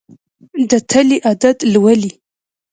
د تلې عدد لولي.